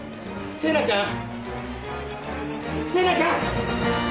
星名ちゃん！